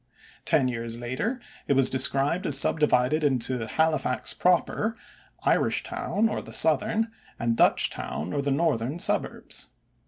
Ten years later it was described as divided into Halifax proper, Irishtown or the southern, and Dutchtown or the northern, suburbs.